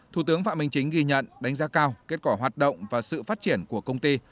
thủ tướng phạm minh chính ghi nhận đánh giá cao kết quả hoạt động và sự phát triển của công ty